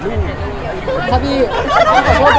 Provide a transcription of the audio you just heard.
อะไรอยู่นะเพราะตอนนั้นคนจับตัว